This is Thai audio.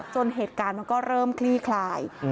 เหตุการณ์มันก็เริ่มคลี่คลาย